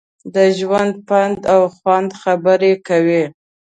د ژوند، پند او خوند خبرې کوي.